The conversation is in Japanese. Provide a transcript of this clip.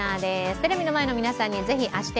テレビの前の皆さんにぜひ「あし天」